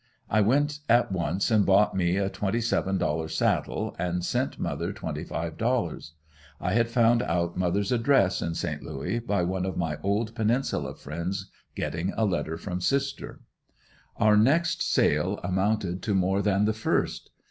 I went at once and bought me a twenty seven dollar saddle and sent mother twenty five dollars. I had found out mother's address, in Saint Louis, by one of my old Peninsula friends getting a letter from sister. Our next sale amounted to more than the first.